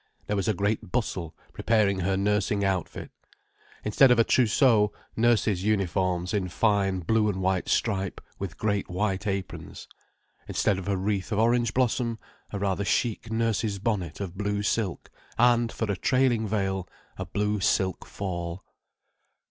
There was a great bustle, preparing her nursing outfit. Instead of a trousseau, nurse's uniforms in fine blue and white stripe, with great white aprons. Instead of a wreath of orange blossom, a rather chic nurse's bonnet of blue silk, and for a trailing veil, a blue silk fall.